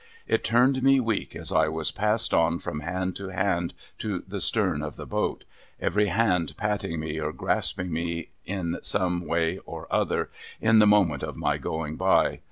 It turned me weak, as I was passed on from hand to hand to the stern of the boat : every hand patting me or grasping me in some way or other, in the moment of my going by.